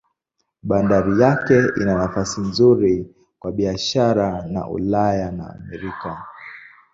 Bandari yake ina nafasi nzuri kwa biashara na Ulaya na Amerika.